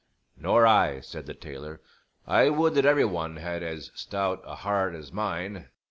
"Nor I," said the tailor. "I would that every one had as stout a heart as mine."